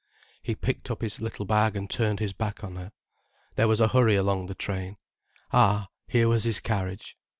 He picked up his little bag and turned his back on her. There was a hurry along the train. Ah, here was his carriage.